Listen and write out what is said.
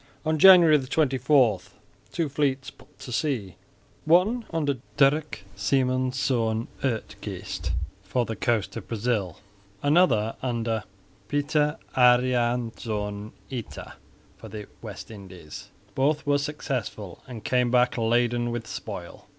On January 24 two fleets put to sea, one under Dirk Simonsz Uitgeest for the coast of Brazil; another under Pieter Adriansz Ita for the West Indies. Both were successful and came back laden with spoil.